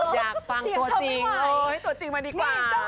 อยากฟังตัวจริงมาดีกว่า